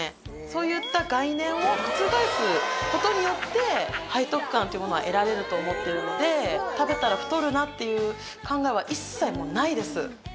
そういった概念を覆すことによって背徳感っていうものは得られると思ってるので食べたら太るなっていう考えは一切もうないです。